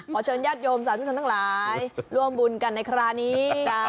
เชิญญาติโยมสาธุชนทั้งหลายร่วมบุญกันในคราวนี้